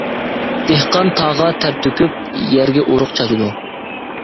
دېھقان تاغا تەر تۆكۈپ، يەرگە ئۇرۇق چاچىدۇ.